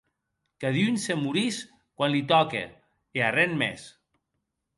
Cadun se morís quan li tòque, e arren mès.